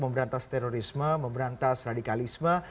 memberantas terorisme memberantas radikalisme